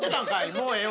もうええわ。